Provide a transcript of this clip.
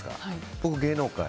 僕、芸能界。